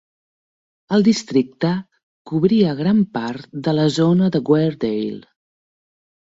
El districte cobria gran part de la zona de Weardale.